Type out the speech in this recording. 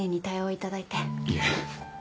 いえ